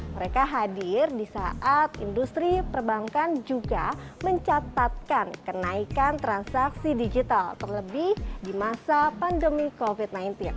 mereka hadir di saat industri perbankan juga mencatatkan kenaikan transaksi digital terlebih di masa pandemi covid sembilan belas